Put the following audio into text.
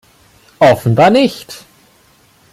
Offenbar nicht!